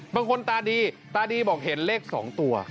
บางคนตาดีตาดีบอกเห็นเลข๒ตัว